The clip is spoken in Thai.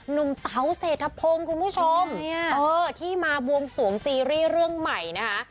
เต๋าเศรษฐพงศ์คุณผู้ชมที่มาบวงสวงซีรีส์เรื่องใหม่นะคะ